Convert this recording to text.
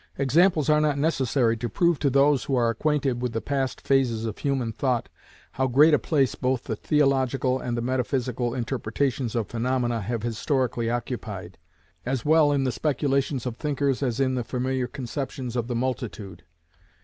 Examples are not necessary to prove to those who are acquainted with the past phases of human thought, how great a place both the theological and the metaphysical interpretations of phaenomena have historically occupied, as well in the speculations of thinkers as in the familiar conceptions of the multitude.